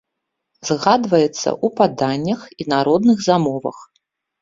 Згадваецца ў паданнях і народных замовах.